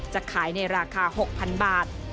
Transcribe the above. จะขายในราคา๖๐๐๐บาท